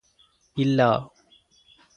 ഇല്ലാ